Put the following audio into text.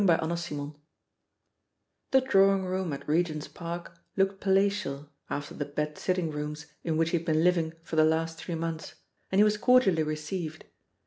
CHAPTER II The drawing room at Regent's Park looked palatial after the "bed sitting rooms'* in which he had been living for the last three months, and he was cordially received.